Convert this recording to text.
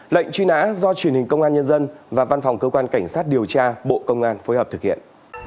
lệnh truy nã do truyền hình công an nhân dân và văn phòng cơ quan cảnh sát điều tra bộ công an phối hợp thực hiện